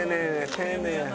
丁寧やな。